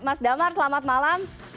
mas damar selamat malam